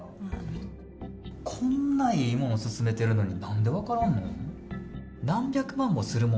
こんなええもん勧めてるのに、なんで分からんの。